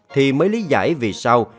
thì mới lý giải vì sao